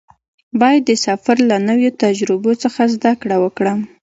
باید د سفر له نویو تجربو څخه زده کړه وکړم.